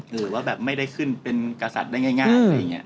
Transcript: หรือว่าแบบไม่ได้ขึ้นเป็นกษัตริย์ได้ง่ายอะไรอย่างนี้